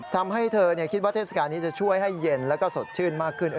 ทำให้เธอคิดว่าเทศกาลนี้จะช่วยให้เย็นแล้วก็สดชื่นมากขึ้น